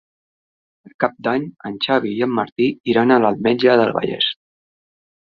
Per Cap d'Any en Xavi i en Martí iran a l'Ametlla del Vallès.